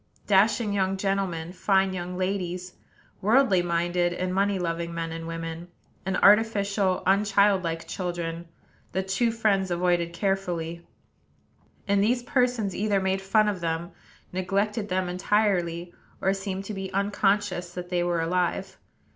Dashing young gentlemen, fine young ladies, worldly minded and money loving men and women, and artificial, unchildlike children, the two friends avoided carefully; and these persons either made fun of them, neglected them entirely, or seemed to be unconscious that they were alive.